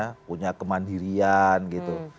kedaulatan kemandirian gitu